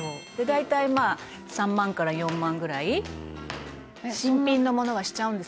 「大体３万から４万ぐらい新品のものはしちゃうんですけど